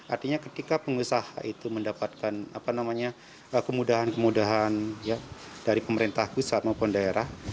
artinya ketika pengusaha itu mendapatkan kemudahan kemudahan dari pemerintah pusat maupun daerah